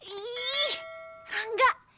ih ra enggak